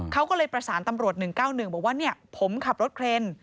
เขาก็เลยประสานตำรวจ๑๙๑บอกว่าผมขับรถเครน